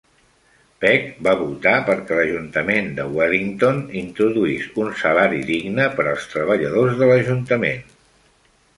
Peck va votar perquè l'ajuntament de Wellington introduís un "salari digne" per als treballadors de l'ajuntament.